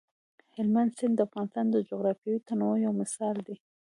هلمند سیند د افغانستان د جغرافیوي تنوع یو مثال دی.